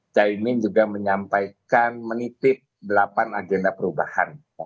caimin juga menyampaikan menitip delapan agenda perubahan